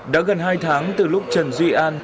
đã gần hai tháng từ lúc trần duy an